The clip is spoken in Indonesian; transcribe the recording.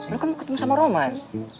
lo kan mau ketemu sama roman